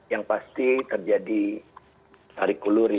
yang pasti terjadi tarikulur ya